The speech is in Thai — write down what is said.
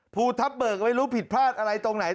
ภูทับเบิกไม่รู้ผิดพลาดอะไรตรงไหน